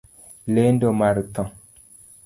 Lendo mar thoo